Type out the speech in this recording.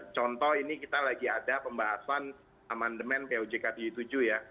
contoh ini kita lagi ada pembahasan amandemen pojk tujuh puluh tujuh ya